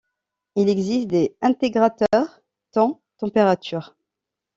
Il existe des Intégrateur Temps Température.